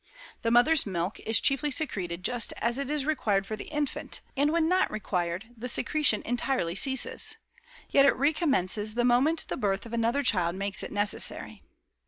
The mother's milk is chiefly secreted just as it is required for the infant, and when not required the secretion entirely ceases; yet it recommences the moment the birth of another child makes it necessary.